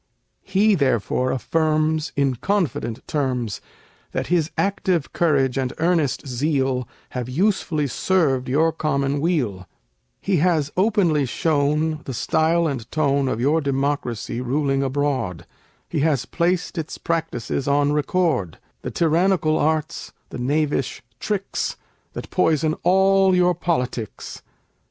He therefore affirms In confident terms, That his active courage and earnest zeal Have usefully served your common weal: He has openly shown The style and tone Of your democracy ruling abroad, He has placed its practices on record; The tyrannical arts, the knavish tricks, That poison all your politics.